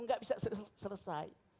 ada saling amputasi